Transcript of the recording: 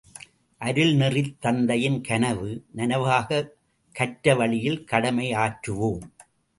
அருள் நெறித் தந்தையின் கனவு, நனவாகக் கற்றவழியில் கடமை ஆற்றுவோம்.